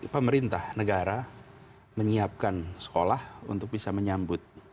pemerintah negara menyiapkan sekolah untuk bisa menyambut